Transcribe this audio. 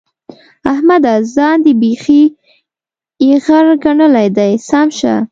احمده! ځان دې بېخي ايغر ګڼلی دی؛ سم شه.